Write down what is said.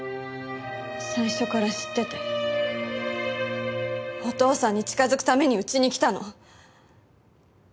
最初から知っててお父さんに近づくためにうちに来たの？